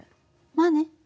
まあね。